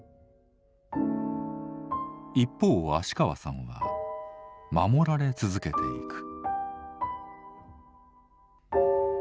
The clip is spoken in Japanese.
一方芦川さんは守られ続けていく。